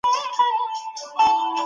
ماشوم له کیسې سره سفر کوي.